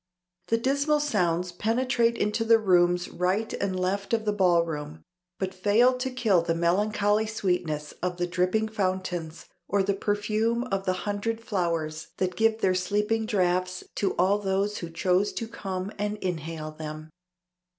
The dismal sounds penetrate into the rooms right and left of the ballroom, but fail to kill the melancholy sweetness of the dripping fountains or the perfume of the hundred flowers that gave their sleeping draughts to all those who chose to come and inhale them.